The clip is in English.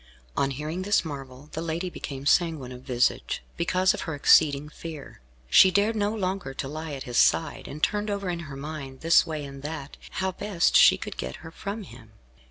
On hearing this marvel the lady became sanguine of visage, because of her exceeding fear. She dared no longer to lie at his side, and turned over in her mind, this way and that, how best she could get her from him.